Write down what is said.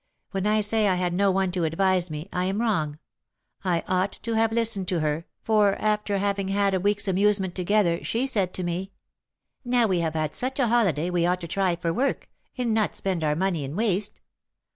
When I say I had no one to advise me, I am wrong: I ought to have listened to her; for, after having had a week's amusement together, she said to me, 'Now we have had such a holiday, we ought to try for work, and not spend our money in waste.'